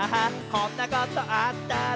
こんなことあったら」